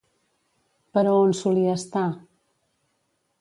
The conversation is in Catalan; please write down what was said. Però on solia estar?